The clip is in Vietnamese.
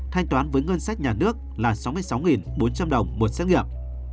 thanh toán với ngân sách nhà nước là sáu mươi sáu bốn trăm linh đồng một xét nghiệm